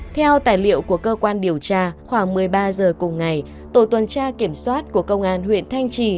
theo tài liệu của cơ quan điều tra khoảng một mươi ba h cùng ngày tổ tuần tra kiểm soát của công an huyện thanh trì